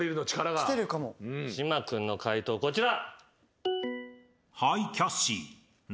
島君の解答こちら。